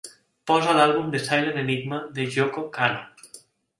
Posa l'àlbum The Silent Enigma de Yoko Kanno.